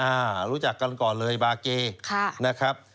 รู้จักกันก่อนเลยบาเกค่ะนะครับ